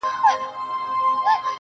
گوره زما گراني زما د ژوند شاعري.